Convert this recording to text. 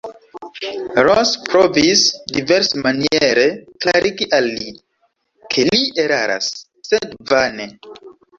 Ros provis diversmaniere klarigi al li, ke li eraras, sed vane.